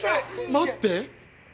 待って！